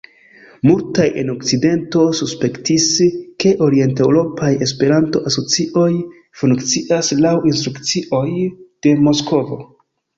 Multaj en la okcidento suspektis, ke orienteŭropaj Esperanto-asocioj funkcias laŭ instrukcioj de Moskvo.